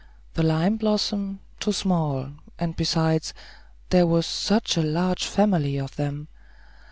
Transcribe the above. The lime blossoms, too small, and besides, there was such a large family of them.